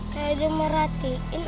kayak dia merhatiin aku deh